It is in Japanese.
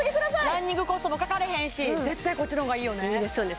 ランニングコストもかかれへんし絶対こっちのほうがいいよねいいですよね